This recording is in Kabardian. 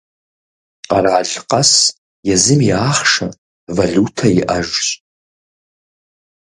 Къэрал къэс езым и ахъшэ – валютэ иӏэжщ.